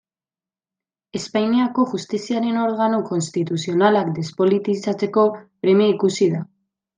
Espainiako Justiziaren organo konstituzionalak despolitizatzeko premia ikusi da.